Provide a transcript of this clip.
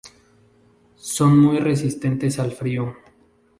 Son muy resistentes al frío.